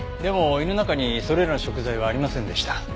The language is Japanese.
でも胃の中にそれらの食材はありませんでした。